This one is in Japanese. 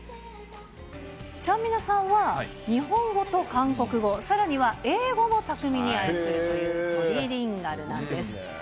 ちゃんみなさんは、日本語と韓国語、さらには英語も巧みに操るトリリンガルなんです。